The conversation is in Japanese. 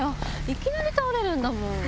いきなり倒れるんだもん。